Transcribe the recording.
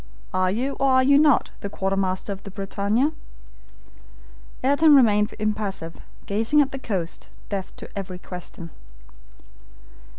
Are you, or are you not, the quartermaster of the BRITANNIA?" Ayrton remained impassive, gazing at the coast, deaf to every question.